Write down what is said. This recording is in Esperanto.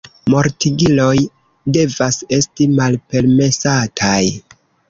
Mortigiloj devas esti malpermesataj.